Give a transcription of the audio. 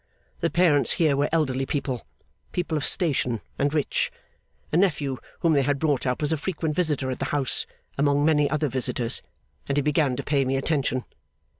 The parents here were elderly people: people of station, and rich. A nephew whom they had brought up was a frequent visitor at the house, among many other visitors; and he began to pay me attention.